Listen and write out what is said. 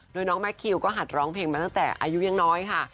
โดยน้องแมคคิวก็หัดร้องเพลงมาตั้งแต่อายุยังน้อยค่ะ